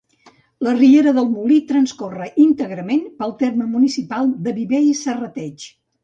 La Riera del Molí transcorre íntegrament pel terme municipal de Viver i Serrateix.